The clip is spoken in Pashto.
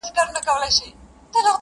چي مي د اوښکو لاره ستړې له ګرېوانه سوله-